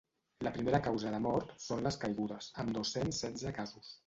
La primera causa de mort són les caigudes, amb dos-cents setze casos.